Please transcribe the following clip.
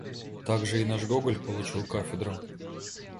Также и наш Гоголь получил кафедру.